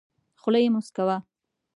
خوله یې موسکه وه .